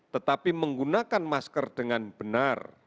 tetapi menggunakan masker dengan benar